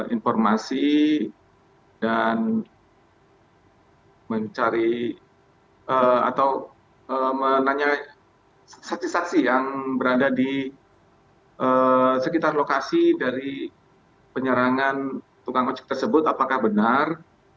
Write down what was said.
informasi dan mencari atau menanya saksi saksi yang berada di sekitar lokasi dari penyerangan tukang ojek tersebut apakah benar